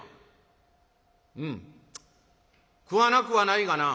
「うん食わなくはないがな」。